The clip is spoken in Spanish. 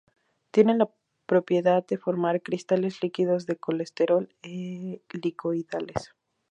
Tiene la propiedad de formar cristales líquidos de colesterol helicoidales.